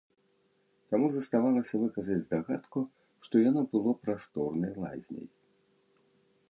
Таму заставалася выказаць здагадку, што яно было прасторнай лазняй.